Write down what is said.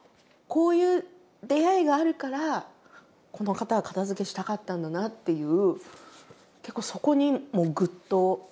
こういう出会いがあるからこの方は片づけしたかったんだなっていう結構そこにぐっとくる。